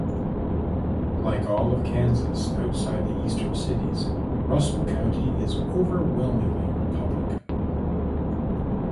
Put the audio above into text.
Like all of Kansas outside the eastern cities, Russell County is overwhelmingly Republican.